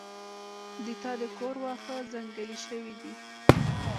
د تا د کور واښه ځنګلي شوي دي